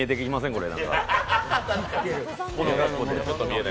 これ。